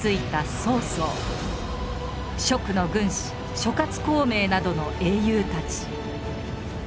蜀の軍師諸孔明などの英雄たち。